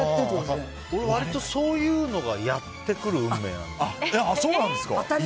俺、割とそういうのがやってくる運命なんだよ。